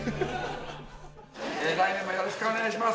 来年もよろしくお願いします。